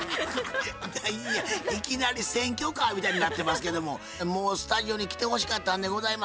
何やいきなり選挙カーみたいになってますけどももうスタジオに来てほしかったんでございますけども残念でございます。